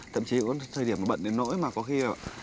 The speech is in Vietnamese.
thậm chí cũng có thời điểm bận đến nỗi mà có khi là